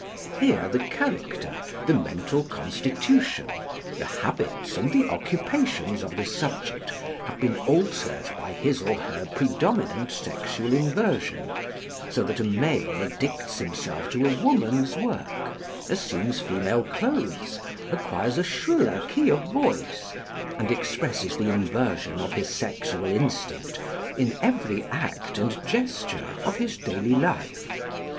Here the character, the mental constitution, the habits, and the occupations of the subject have been altered by his or her predominant sexual inversion; so that a male addicts himself to a woman's work, assumes female clothes, acquires a shriller key of voice, and expresses the inversion of his sexual instinct in every act and gesture of his daily life.